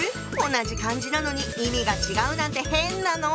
同じ漢字なのに意味が違うなんて変なの。